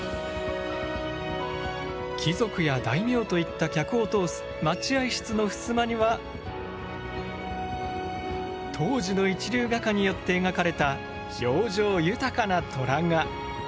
貴族や大名といった客を通す待合室のふすまには当時の一流画家によって描かれた表情豊かな虎が。